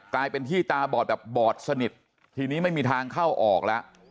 กลายเป็นที่ตาบอดแบบบอดสนิททีนี้ไม่มีทางเข้าออกแล้ว